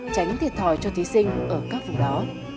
tránh thiệt thòi cho thí sinh ở các vùng đó